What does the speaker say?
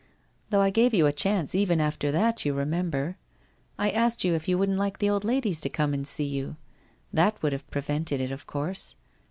Though, I gave you a chance even after that, you remem ber. I asked you if you wouldn't like the old ladies to come and see you. That would have prevented it, of course.